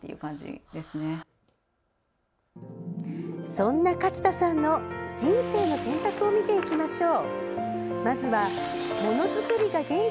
そんな勝田さんの「人生の選択」を見ていきましょう。